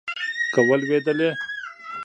که ولوېدلې